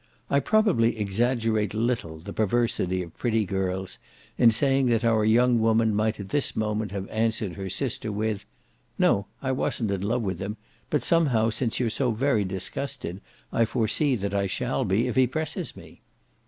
I probably exaggerate little the perversity of pretty girls in saying that our young woman might at this moment have answered her sister with: "No, I wasn't in love with him, but somehow, since you're so very disgusted, I foresee that I shall be if he presses me."